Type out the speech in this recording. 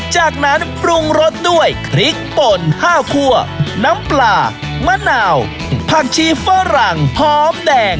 จากนั้นปรุงรสด้วยพริกป่นข้าวคั่วน้ำปลามะนาวผักชีฝรั่งหอมแดง